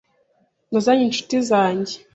Nazanye inshuti zanjye.